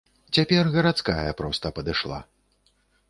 Цяпер гарадская проста падышла.